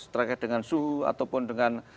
terkait dengan suhu ataupun dengan